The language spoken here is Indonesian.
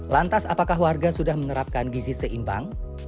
lantas apakah warga sudah menerapkan gizi seimbang